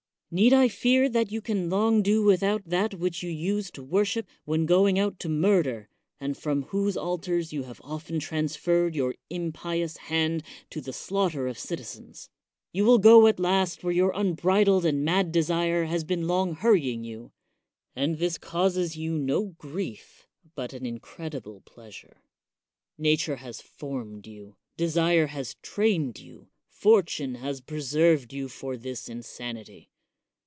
Need I fear that you can long do without that which you used to worship when going out to murder, and from whose altars you have often transferred your impious hand to the slaughter of citizens ? You will go at last where your unbridled and mad desire has been long hurrying you. And this causes you no grief, but an incredible pleasure. Nature has formed you, desire has trained you, fortune has preserved you for this insanity.